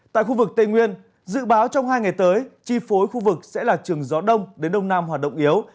tại khu vực tây nguyên dự báo trong hai ngày tới chi phối khu vực sẽ là trường gió đông đến đông nam hoạt động yếu